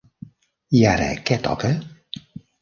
I ara què toca?